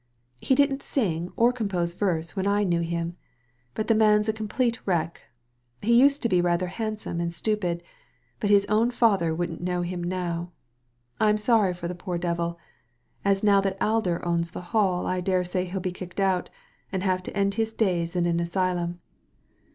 He didn't sing or compose verse when I knew him ; but the man's a complete wreck. He used to be rather handsome and stupid ; but his own father wouldn't know him now. I'm sorry for the poor devil, as now that Alder owns the Hall I dare say hell be kicked out, and have to end his days in an asylum."